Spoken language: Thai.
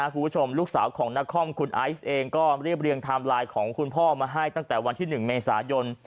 คุณผู้ชมลูกสาวของนครคุณไอซ์เองก็เรียบเรียงไทม์ไลน์ของคุณพ่อมาให้ตั้งแต่วันที่๑เมษายน